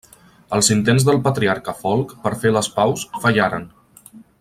Els intents del patriarca Folc per fer les paus fallaren.